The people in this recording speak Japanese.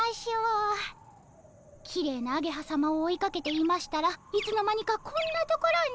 きれいなアゲハさまを追いかけていましたらいつの間にかこんな所に。